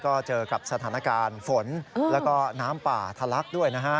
ก็เจอกับสถานการณ์ฝนแล้วก็น้ำป่าทะลักด้วยนะฮะ